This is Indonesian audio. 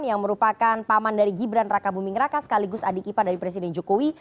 yang merupakan paman dari gibran raka buming raka sekaligus adik ipa dari presiden jokowi